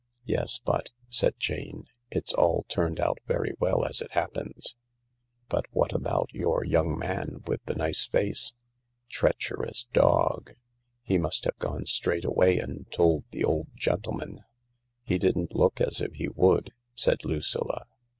"Yes ; but," said Jane, "it's all turned out very well as it happens, but what about your young man with the nice face ? Treacherous dog I He must have gone straight away and told the old gentleman." " He didn't look as if he would," said Lucilla.